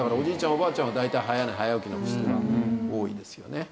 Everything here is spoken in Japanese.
おばあちゃんは大体早寝早起きの人が多いですよね。